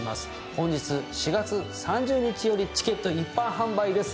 本日４月３０日よりチケット一般販売です。